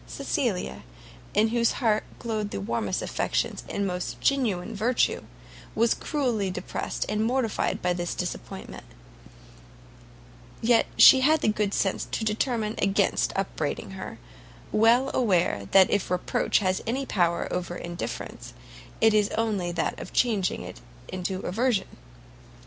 Cecilia, in whose heart glowed the warmest affections and most generous virtue, was cruelly depressed and mortified by this disappointment; yet she had the good sense to determine against upbraiding her, well aware that if reproach has any power over indifference, it is only that of changing it into aversion.